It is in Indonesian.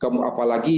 kemudian apa lagi